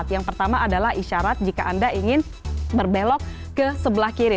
yang pertama adalah isyarat jika anda ingin berbelok ke sebelah kiri